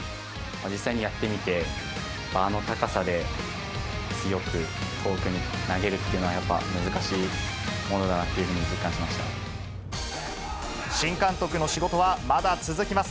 実際にやってみて、あの高さで強く遠くに投げるっていうのは、やっぱ難しいものだな新監督の仕事はまだ続きます。